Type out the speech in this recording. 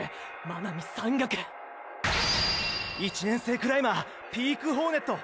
１年生クライマーピークホーネット